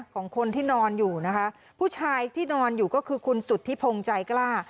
ของคนที่นอนอยู่นะคะผู้ชายที่นอนอยู่ก็คือคุณสุธิพงศ์ใจกล้า